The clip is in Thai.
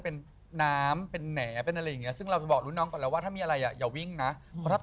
เขาก็บอกพี่มันจะค้นได้ยังไงละ